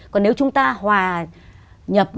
còn nếu chúng ta hòa nhập